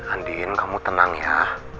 andiin kamu tenang ya